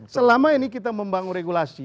selama ini kita membangun regulasi